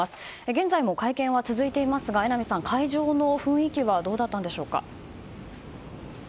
現在も会見は続いていますが榎並さん、会場の雰囲気はどうだったんでしょうか。